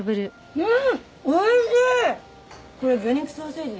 うん？